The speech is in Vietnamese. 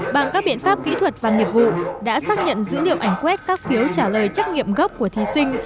bằng các biện pháp kỹ thuật và nghiệp vụ đã xác nhận dữ liệu ảnh quét các phiếu trả lời trắc nghiệm gốc của thí sinh